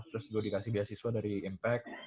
terus gue dikasih beasiswa dari impact